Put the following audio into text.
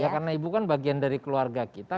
ya karena ibu kan bagian dari keluarga kita